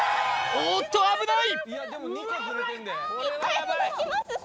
おっと危ない！